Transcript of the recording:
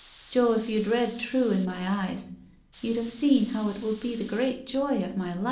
Joe, if you'd read true in my eyes, you'd have seen how it will be the great joy of my.